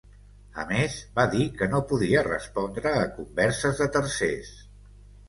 A més, va dir que no podia respondre a converses de ‘tercers’.